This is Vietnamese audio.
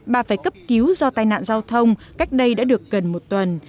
bà phải cấp cứu do tai nạn giao thông cách đây đã được gần một tuần